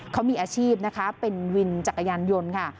เขามีอาชีพนะคะเป็นวินจักรยานยนต์ค่ะ